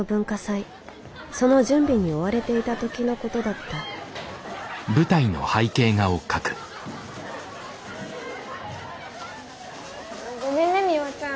その準備に追われていた時のことだったごめんねミワちゃん。